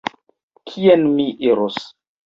Kien mi iros?